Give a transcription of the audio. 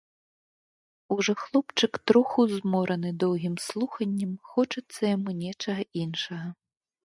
Ужо хлопчык троху змораны доўгім слуханнем, хочацца яму нечага іншага.